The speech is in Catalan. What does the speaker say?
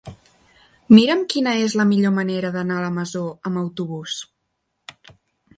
Mira'm quina és la millor manera d'anar a la Masó amb autobús.